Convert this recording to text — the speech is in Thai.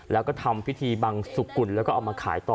แล้วก็ทำพิธีบังสุกุลแล้วก็เอามาขายต่อ